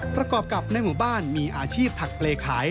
ประกอบกับในหมู่บ้านมีอาชีพถักเปรย์ขาย